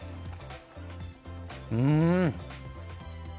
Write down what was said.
うん。